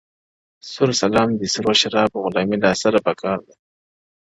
سور سلام دی سرو شرابو ـ غلامي لا سًره په کار ده ـ